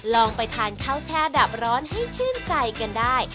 ลองไปทานข้าวแช่ดับร้อนให้ชื่นใจกันได้